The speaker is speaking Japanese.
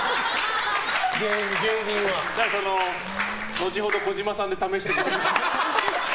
後ほど児嶋さんで試していただいて。